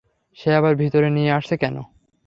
সে আবার ভিতরে নিয়ে আসছে কেন?